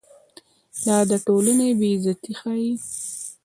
دا د ټولنې بې عزتي ښيي.